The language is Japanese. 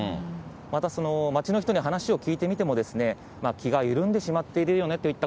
また街の人に話を聞いてみても、気が緩んでしまっているよねといった